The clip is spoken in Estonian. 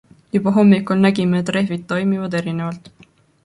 Juba hommikul nägime, et rehvid toimivad erinevalt.